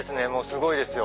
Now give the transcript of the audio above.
すごいですよ。